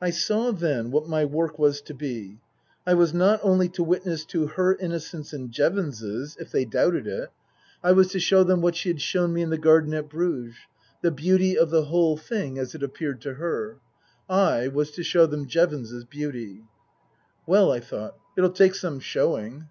I saw then what my work was to be. I was not only to witness to her innocence and Jevons's if they doubted Book I : My Book 89 it ; I was to show them what she had shown me in the garden at Bruges, the beauty of the whole thing as it appeared to her. I was to show them Jevons's beauty. Well, I thought, it'll take some showing.